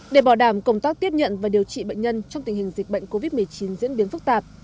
để bảo đảm công tác tiếp nhận và điều trị bệnh nhân trong tình hình dịch bệnh covid một mươi chín diễn biến phức tạp